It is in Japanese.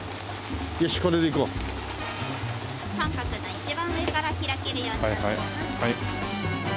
三角の一番上から開けるようになっています。